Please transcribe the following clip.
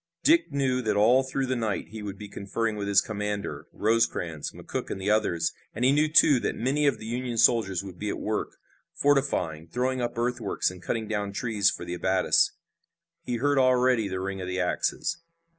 Dick knew that all through the night he would be conferring with his commander, Rosecrans, McCook and the others, and he knew, too, that many of the Union soldiers would be at work, fortifying, throwing up earthworks, and cutting down trees for abattis. He heard already the ring of the axes.